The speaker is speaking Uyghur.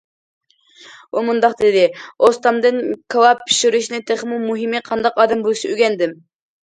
ئۇ مۇنداق دېدى: ئۇستامدىن كاۋاپ پىشۇرۇشنى، تېخىمۇ مۇھىمى قانداق ئادەم بولۇشنى ئۆگەندىم.